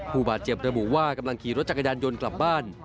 ผู้บาดเจ็บระบุว่ากำลังขี่รถจักรยานยนต์กลับบ้าน